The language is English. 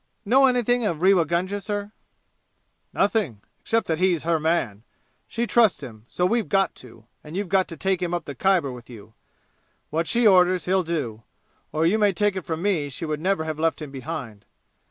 "Know anything of Rewa Gunga, sir?" "Nothing, except that he's her man. She trusts him, so we've got to, and you've got to take him up the Khyber with you. What she orders, he'll do, or you may take it from me she would never have left him behind.